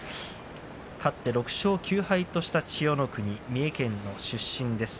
勝って６勝９敗とした千代の国、三重県出身です。